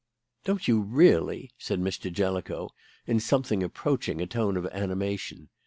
"Don't you, really?" said Mr. Jellicoe, in something approaching a tone of animation.